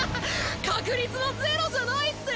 確率はゼロじゃないって！？